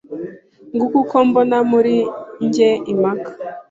Nguko uko mbona muri njye impaka